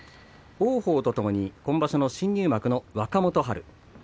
王鵬とともに今場所新入幕の若元春。